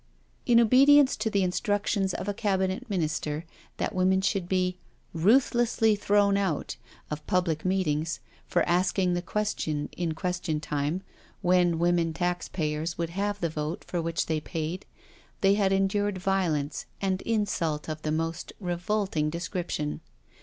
In obedience to the instructions of a Cabinet Min ister that women should be *' ruthlessly thrown out *' of public meetings, for asking the question in question time, when women taxpayers would have the vote for which they paid, they had endured violence and insult of the most revolting description.